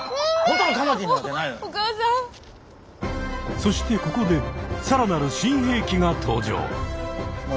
そしてここでさらなる新兵器が登場。